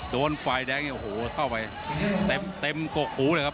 โดนกวายแดงโใหโห้เข้าไปเต็มเกราะหูเลยครับ